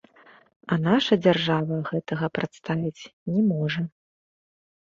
А наша дзяржава гэтага прадставіць не можа.